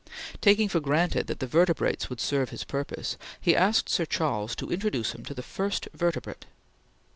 Taking for granted that the vertebrates would serve his purpose, he asked Sir Charles to introduce him to the first vertebrate.